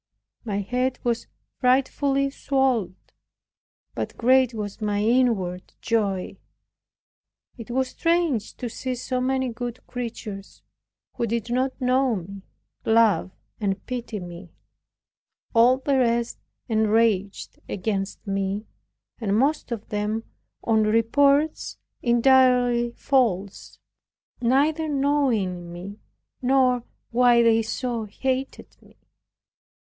My head was frightfully swelled, but great was my inward joy. It was strange to see so many good creatures, who did not know me, love and pity me; all the rest enraged against me, and most of them on reports entirely false, neither knowing me, nor why they so hated me.